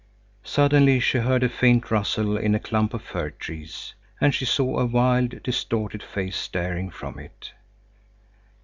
Suddenly she heard a faint rustle in a clump of fir trees, and she saw a wild, distorted face staring from it.